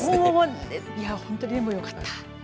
本当に、でもよかった。